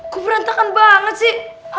kuberantakan banget sih